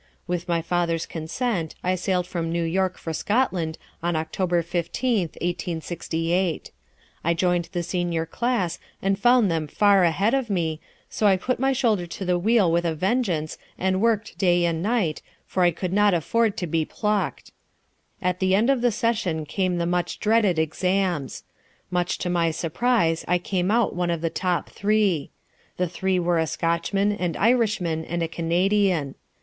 With my father's consent I sailed from New York for Scotland on October 15th, 1868. I joined the senior class and found them far ahead of me, so I put my shoulder to the wheel with a vengeance, and worked day and night, for I could not afford to be plucked. At the end of the session came the much dreaded exams. Much to my surprise I came out one of the top three. The three were a Scotchman, an Irishman and a Canadian.